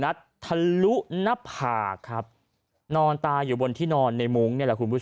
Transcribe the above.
นัดทะลุนภาคนอนตายอยู่บนที่นอนในมุ้ง